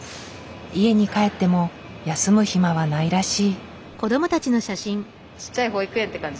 家に帰っても休む暇はないらしい。